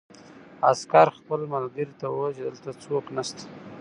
عسکر خپل ملګري ته وویل چې دلته څوک نشته